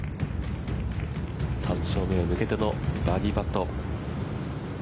３勝目に向けてのバーディーパット。